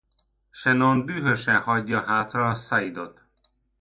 Shannon dühösen hagyja hátra Sayid-ot.